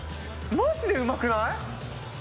マジでうまくない？